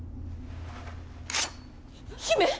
姫！